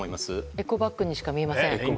エコバッグにしか見えません。